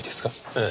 ええ。